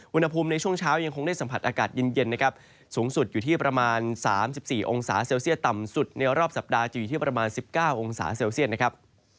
อุณหภูมิในช่วงเช้ายังคงได้สัมผัสอากาศเย็นนะครับสูงสุดอยู่ที่ประมาณ๓๔องศาเซลเซียตต่ำสุดในรอบสัปดาห์จะอยู่ที่ประมาณ๑๙องศาเซลเซียตนะครับ